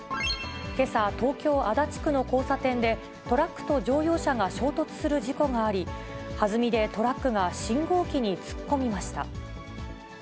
けさ、東京・足立区の交差点で、トラックと乗用車が衝突する事故があり、はずみでトラックが信号機に突っ込みました。